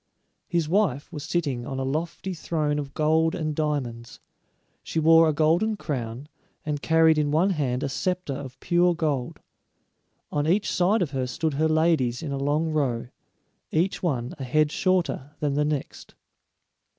His wife was sitting on a lofty throne of gold and diamonds; she wore a golden crown, and carried in one hand a scepter of pure gold. On each side of her stood her ladies in a long row, each one a head shorter than the next.